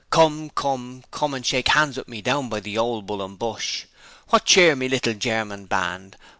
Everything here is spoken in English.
Come, come, come an' shake 'ands with me Down by the ole Bull and Bush. Wot cheer me little Germin band!